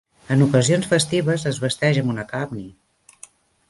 En ocasions festives, es vesteix amb una kabney.